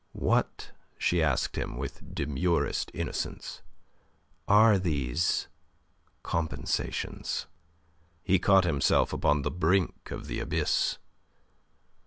"What," she asked him, with demurest innocence, "are these compensations?" He caught himself upon the brink of the abyss.